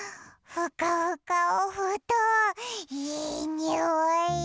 ふかふかおふとんいいにおい！